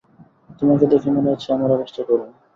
তোমাকে দেখে মনে হচ্ছে তোমার অবস্থা করুণ।